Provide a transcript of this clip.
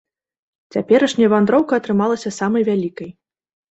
Цяперашняя вандроўка атрымалася самай вялікай.